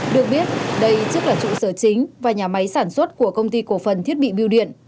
được biết đây trước là trụ sở chính và nhà máy sản xuất của công ty cổ phần thiết bị biêu điện